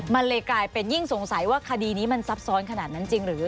มันเลยกลายเป็นยิ่งสงสัยว่าคดีนี้มันซับซ้อนขนาดนั้นจริงหรือ